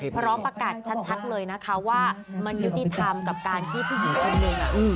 พร้อมประกาศชัดเลยนะคะว่ามันยุติธรรมกับการที่ผู้หญิงคนหนึ่ง